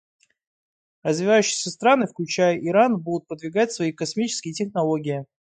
Развивающиеся страны, включая Иран, будут продвигать свои космические технологии.